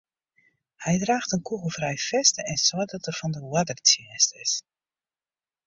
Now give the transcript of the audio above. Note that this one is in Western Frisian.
Hy draacht in kûgelfrij fest en seit dat er fan de oardertsjinst is.